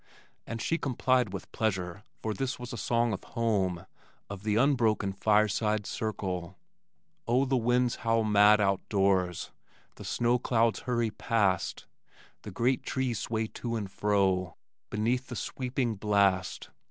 '" and she complied with pleasure, for this was a song of home, of the unbroken fireside circle. Oh, the winds howl mad outdoors The snow clouds hurry past, The giant trees sway to and fro Beneath the sweeping blast.